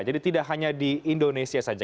jadi tidak hanya di indonesia saja